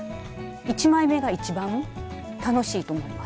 １枚目が一番楽しいと思います。